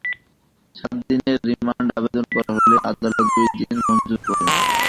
সাত দিনের রিমান্ড আবেদন করা হলে আদালত দুই দিন মঞ্জুর করেন।